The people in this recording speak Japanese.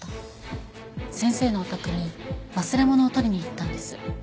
先生のお宅に忘れ物を取りに行ったんです。